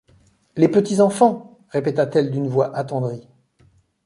Les petits enfants! répéta-t-elle d’une voix attendrie.